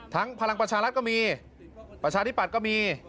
พลังประชารัฐก็มีประชาธิปัตย์ก็มี